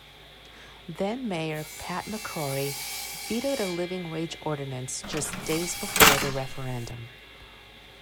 Then-mayor Pat McCrory vetoed a living wage ordinance just days before the referendum.